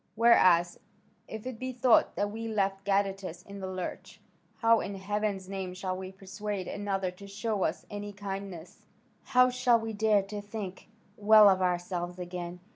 Whereas, if it be thought that we left Gadatas in the lurch, how in heaven's name shall we persuade another to show us any kindness? How shall we dare to think well of ourselves again?